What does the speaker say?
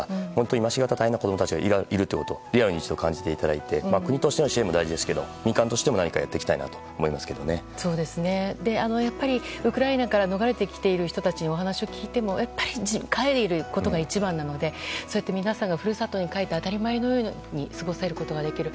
今しがた、大変な子供たちがいるということをリアルに一度感じていただき国としての支援も大事ですが民間としてもやっぱり、ウクライナから逃れてきている人たちにお話を聞いても帰ることが一番なので皆さんがふるさとに帰って当たり前のように過ごせることができる。